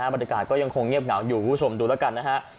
บรรยากาศก็ยังคงเงียบเหงาอยู่คุณผู้ชมดูแล้วกันนะฮะ